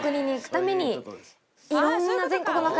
いろんな。